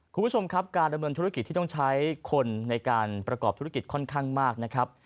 คุณผู้ชมครับการดำเนินธุรกิจที่ต้องใช้คนในการประกอบธุรกิจค่อนข้างมากนะครับ